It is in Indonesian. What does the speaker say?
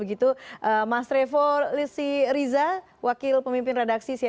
baik dari sisi apa namanya fpi maupun dari sisi